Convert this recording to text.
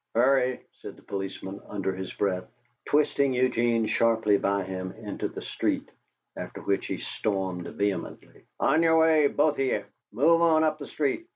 "Hurry," said the policeman, under his breath, twisting Eugene sharply by him into the street; after which he stormed vehemently: "On yer way, both of ye! Move on up the street!